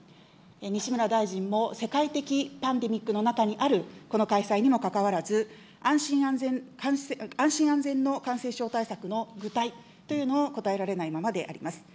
西村大臣も、世界的パンデミックの中にあるこの開催にもかかわらず、安心安全の感染症対策の具体というのを答えられないままであります。